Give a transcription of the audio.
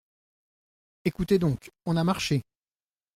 Écoutez donc, on a marché.